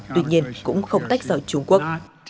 tuy nhiên cũng không tách rời trung quốc